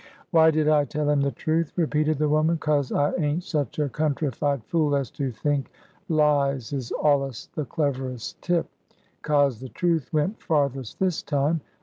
"Why did I tell him the truth?" repeated the woman. "'Cos I ain't such a countrified fool as to think lies is allus the cleverest tip, 'cos the truth went farthest this time.